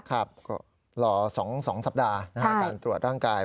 ครับก็รอ๒สัปดาห์การตรวจร่างกาย